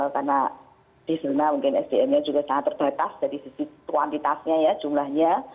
karena di sana mungkin sdm nya juga sangat terbatas dari sisi kuantitasnya ya jumlahnya